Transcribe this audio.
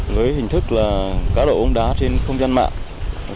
với hình thức là cá độ bóng đá trên không gian mạng